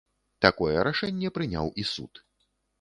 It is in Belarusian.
Такое рашэнне прыняў і суд.